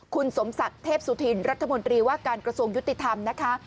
คุณสมศักดิ์เทพสุธินรัฐมนตรีว่าการกระทรวงยุติธรรมนะคะ